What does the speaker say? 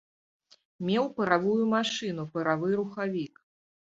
Меў паравую машыну, паравы рухавік.